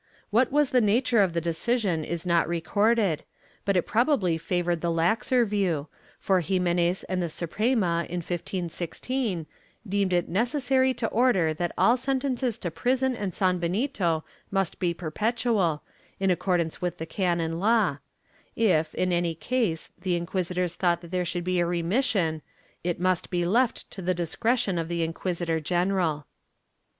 ^ What was the nature of the decision is not recorded, but it probably favored the laxer view, for Ximenes and the Suprema, in 1516, deemed it necessary to order that all sentences to prison and sanbenito must be perpetual, in accordance with the canon law; if, in any case, the inquisitors thought there should be a remission it must be left to the discretion of the inquisitor general.